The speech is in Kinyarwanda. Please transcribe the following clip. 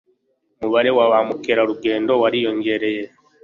umubare wa ba mukerarugendo wariyongereye